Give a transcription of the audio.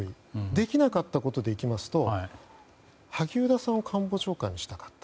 できなかったことでいいますと萩生田さんを官房長官にしたかった。